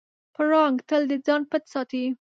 پړانګ تل د ځان پټ ساتي.